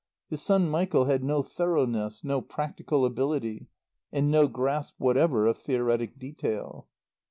His son Michael had no thoroughness, no practical ability, and no grasp whatever of theoretic detail.